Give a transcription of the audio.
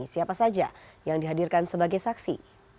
siapa saja yang dihadirkan sebagai saksi